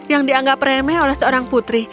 yang dianggap remeh oleh seorang putri